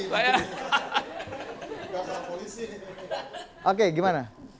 bukan soal polisi oke gimana